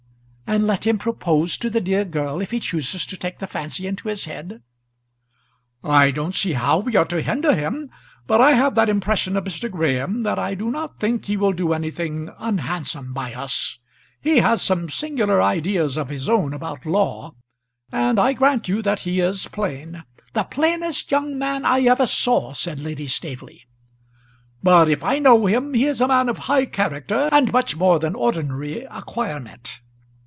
"And let him propose to the dear girl if he chooses to take the fancy into his head?" "I don't see how we are to hinder him. But I have that impression of Mr. Graham that I do not think he will do anything unhandsome by us. He has some singular ideas of his own about law, and I grant you that he is plain " "The plainest young man I ever saw," said Lady Staveley. "But, if I know him, he is a man of high character and much more than ordinary acquirement."